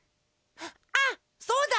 あっそうだ！